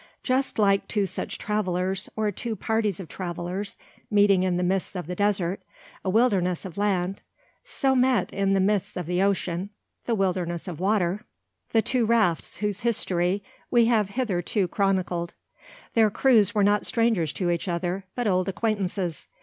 Just like two such travellers, or two parties of travellers, meeting in the midst of the desert, a wilderness of land, so met, in the midst of the ocean, the wilderness of water, the two rafts whose history we have hitherto chronicled. Their crews were not strangers to each other, but old acquaintances.